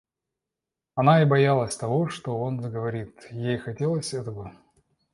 Она и боялась того, что он заговорит, и ей хотелось этого.